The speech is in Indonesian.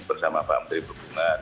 bersama pak menteri perhubungan